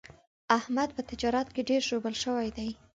احمد په تجارت کې ډېر ژوبل شوی دی.